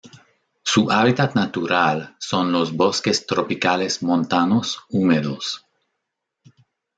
Su hábitat natural son los bosques tropicales montanos húmedos.